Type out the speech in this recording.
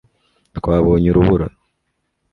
Twabonye urubura